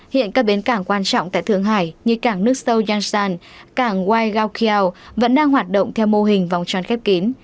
hiện các bến cảng quan trọng tại thượng hải như cảng nước sâu yangshan cảng wai gaokiao vẫn đang hoạt động theo mô hình vòng tròn khép kín